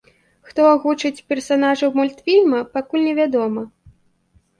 Хто агучыць персанажаў мультфільма, пакуль не вядома.